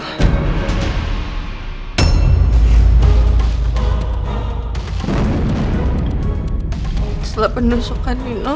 setelah penyusukan nino